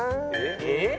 えっ？